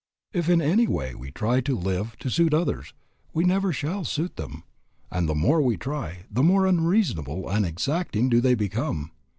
If in any way we try to live to suit others we never shall suit them, and the more we try the more unreasonable and exacting do they become.